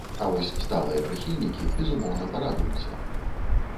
А вось сталыя прыхільнікі, безумоўна, парадуюцца.